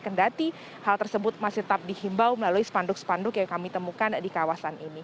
kendati hal tersebut masih tetap dihimbau melalui spanduk spanduk yang kami temukan di kawasan ini